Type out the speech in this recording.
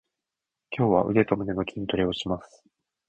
今日は腕と胸の筋トレをします。